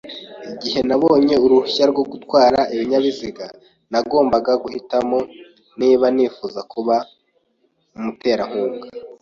Igihe nabonye uruhushya rwo gutwara ibinyabiziga, nagombaga guhitamo niba nifuza kuba umuterankunga.